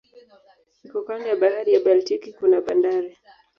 Iko kando ya bahari ya Baltiki kuna bandari.